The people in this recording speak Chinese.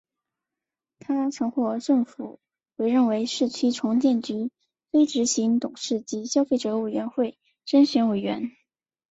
他曾获政府委任为市区重建局非执行董事及消费者委员会增选委员。